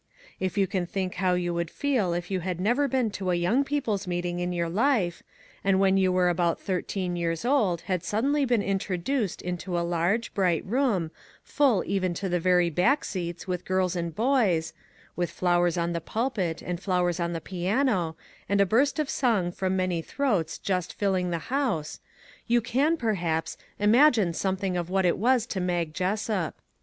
If you can think how you would feel if you had never been to a young people's meet ing in your life, and when you were about thir teen years old had suddenly been introduced into a large, bright room, full even to the very back seats with girls and boys; with flowers on the pulpit, and flowers on the piano, and a burst of song from many throats just filling the house, you can, perhaps, imagine something of what it was to Mag Jessup.